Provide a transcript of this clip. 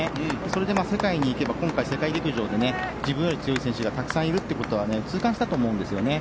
それで世界に行けば今回、世界陸上で自分よりも強い選手はたくさんいるということは痛感したと思うんですよね。